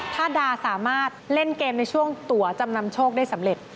ถ้าดาสามารถเล่นเกมในช่วงตัวจำนำโชคได้สำเร็จ